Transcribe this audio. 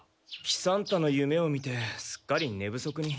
喜三太の夢を見てすっかりね不足に。